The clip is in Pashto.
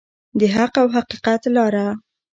د حق او حقیقت لاره.